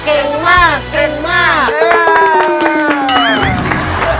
เก่งมาก